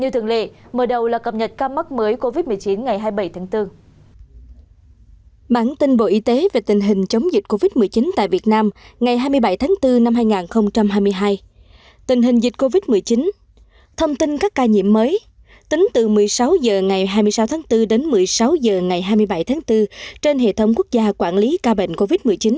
tính từ một mươi sáu h ngày hai mươi sáu tháng bốn đến một mươi sáu h ngày hai mươi bảy tháng bốn trên hệ thống quốc gia quản lý ca bệnh covid một mươi chín